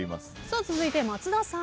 続いて松田さん。